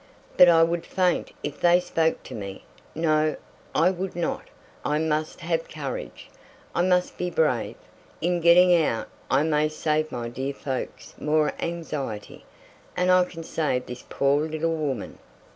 But I would faint if they spoke to me? No, I would not, I must have courage! I must be brave! In getting out I may save my dear folks more anxiety, and I can save this poor little woman!"